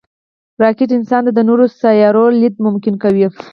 راکټ انسان ته د نورو سیارو لید ممکن کوي